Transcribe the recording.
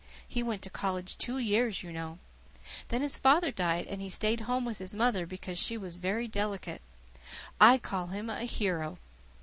He went to college two years, you know. Then his father died, and he stayed home with his mother because she was very delicate. I call him a hero.